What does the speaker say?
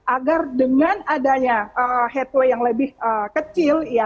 agar dengan adanya headway yang lebih kecil